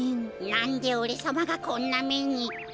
なんでおれさまがこんなめに。